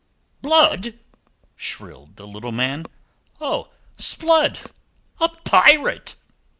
"Blood!" shrilled the little man. "O 'Sblood! A pirate!"